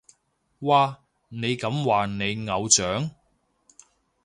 哇，你咁話你偶像？